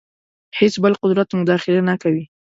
هېڅ بل قدرت مداخله نه کوي.